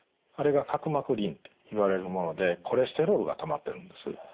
あれが角膜輪といわれるものでコレステロールがたまってるんです。